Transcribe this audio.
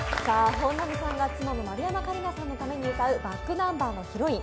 本並さんが妻の丸山桂里奈さんのために歌うｂａｃｋｎｕｍｂｅｒの「ヒロイン」。